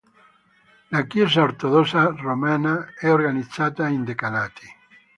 La Chiesa Ortodossa romena è organizzata in decanati.